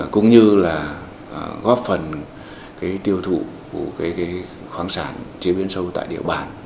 cũng như là góp phần tiêu thụ của khoáng sản chế biến sâu tại địa bàn